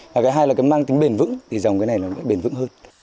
và cái hai là cái mang tính bền vững thì dòng cái này nó bền vững hơn